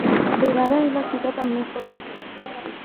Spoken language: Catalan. Per ara, és la ciutat amb més població.